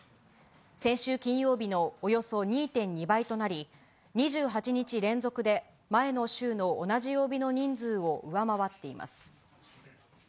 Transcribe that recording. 先週金曜日のおよそ２．２倍となり、２８日連続で前の週の同じ曜日の人数を上回っています。